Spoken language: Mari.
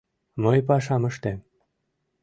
Мый пашам ыштем.